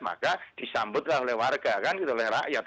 maka disambutlah oleh warga kan gitu oleh rakyat